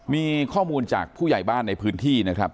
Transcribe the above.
มีข้อมูลจากผู้ใหญ่บ้านในพื้นที่นะครับ